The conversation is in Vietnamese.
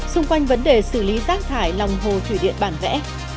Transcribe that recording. xung quanh vấn đề xử lý rác thải lòng hồ thủy điện bản vẽ